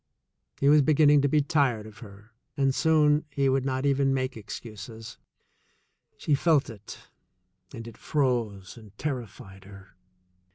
He was beginning to be tired of her and soon he would not 148 THE SECOND CHOICE even make excuses. She felt it, and it froze and terrified her.